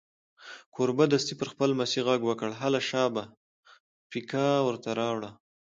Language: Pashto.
کوربه دستي پر خپل لمسي غږ وکړ: هله شابه پیکه ور ته راوړه.